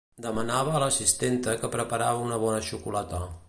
Demanava a l’assistenta que preparara una bona xocolata.